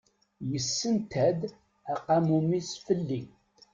Yessenta-d aqamum-is fell-i.